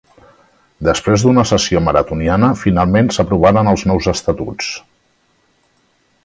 Després d'una sessió maratoniana finalment s'aprovaren els nous estatuts.